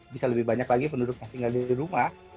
bisa lebih banyak lagi penduduk yang tinggal di rumah